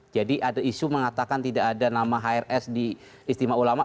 jadi ada isu mengatakan tidak ada nama hrs di istimewa ulama